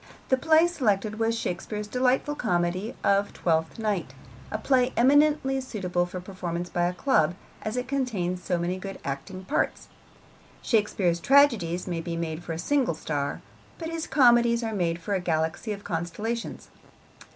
The play selected was Shakespeare's delightful comedy of Twelfth Night, a play eminently suitable for performance by a club, as it contains so many good acting parts. Shakespeare's tragedies may be made for a single star, but his comedies are made for a galaxy of constellations.